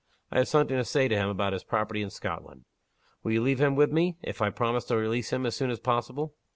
I have something to say to him about his property in Scotland. Will you leave him with me, if I promise to release him as soon as possible?"